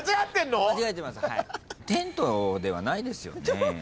テントではないですよね？